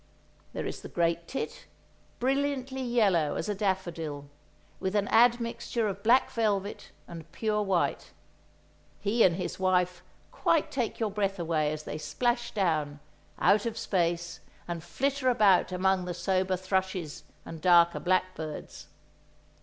There is the great tit, brilliantly yellow as a daffodil, with an admixture of black velvet and pure white; he and his wife quite take your breath away as they splash down, out of space, and flitter about among the sober thrushes and darker blackbirds.